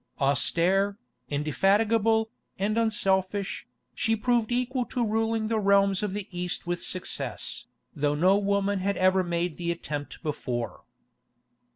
Austere, indefatigable, and unselfish, she proved equal to ruling the realms of the East with success, though no woman had ever made the attempt before.